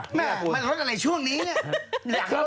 มันลดอะไรช่วงนี้เนี่ย